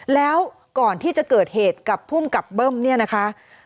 แล้วก่อนที่จะเกิดเหตุกับภูมิกับเบิ้มเนี่ยนะคะ